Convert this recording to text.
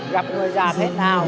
gặp người già thế nào